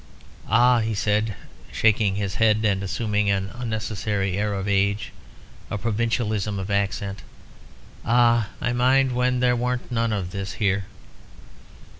"Ah!" he said, shaking his head and assuming an unnecessary air of age, and a provincialism of accent "Ah! I mind when there warn't none of this here."